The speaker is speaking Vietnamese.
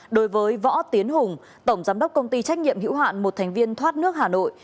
đối với võ tiến hùng tổng giám đốc công ty trách nhiệm hữu hạn một thành viên thoát nước hà nội